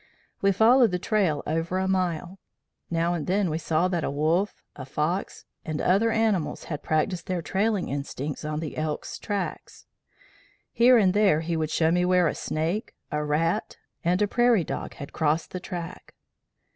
We followed the trail over a mile. Now and then we saw that a wolf, a fox, and other animals had practised their trailing instincts on the elk's tracks. Here and there, he would show me where a snake, a rat, and a prairie dog had crossed the track.